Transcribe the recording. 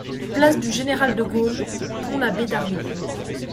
Place du général de Gaulle, Pont-l'Abbé-d'Arnoult